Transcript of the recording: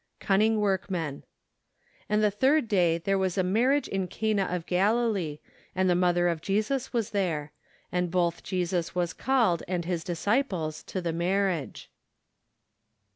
Cunning Workmen. " And the third day there was a marriage in Cana of Galilee; and the mother of Jesus was there: And both Jesus was called , and his disciples , to the marriage."